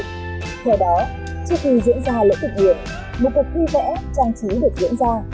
theo đó trước khi diễn ra lễ thực hiện một cuộc vui vẽ trang trí được diễn ra